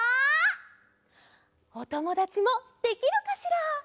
おともだちもできるかしら？